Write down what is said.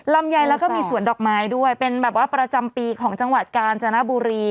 ลำไยแล้วก็มีสวนดอกไม้ด้วยเป็นแบบว่าประจำปีของจังหวัดกาญจนบุรี